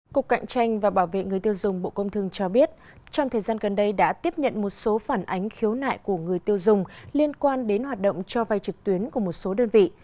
cục cạnh tranh và bảo vệ người tiêu dùng bộ công thương cho biết trong thời gian gần đây đã tiếp nhận một số phản ánh khiếu nại của người tiêu dùng liên quan đến hoạt động cho vai trực tuyến của một số đơn vị